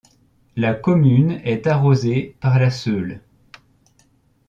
La commune est arrosée par la Seulles.